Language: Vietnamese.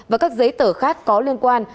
và các giấy tờ khác có liên quan